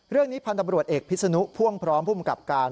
เรื่องนี้พันธุ์ตำรวจเอกพิษนุพ่วงพร้อมผู้บังกับการ